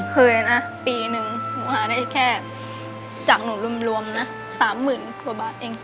เคยนะปีนึงหาได้แค่จากหนูรวมนะสามหมื่นกว่าบาทเอง